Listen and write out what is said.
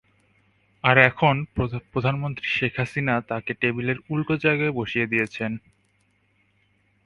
আর এখন প্রধানমন্ত্রী শেখ হাসিনা তাঁকে টেবিলের উল্টো জায়গায় বসিয়ে দিয়েছেন।